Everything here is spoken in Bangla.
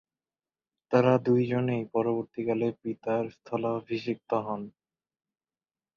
তারা দুজনেই পরবর্তীকালে পিতার স্থলাভিষিক্ত হন।